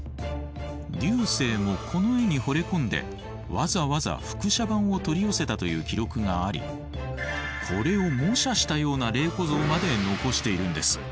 劉生もこの絵にほれ込んでわざわざ複写版を取り寄せたという記録がありこれを模写したような麗子像まで残しているんです。